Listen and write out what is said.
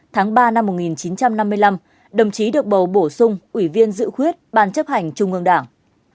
tháng ba năm một nghìn chín trăm năm mươi năm đồng chí được bầu bổ sung ủy viên dự khuyết ban chấp hành trung ương đảng